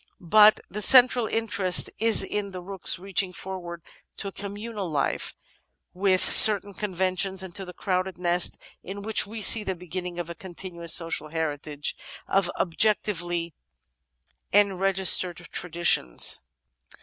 ... But the central interest is in the rooks reaching forward to a commimal life with certain conventions, and to the crowded nest in which we see the beginning of a continuous social heritage of objectively enregis tered traditions."